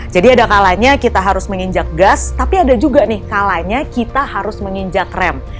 jadi ada kalanya kita harus menginjak gas tapi ada juga nih kalanya kita harus menginjak rem